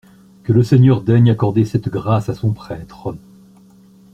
Que le Seigneur daigne accorder cette grâce à son prêtre!